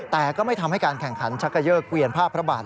แต่ก็ไม่ทำให้การแข่งขันชักเกยอร์เกวียนผ้าพระบาท